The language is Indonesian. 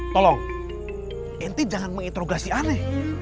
tolong aku jangan menginterogasi kamu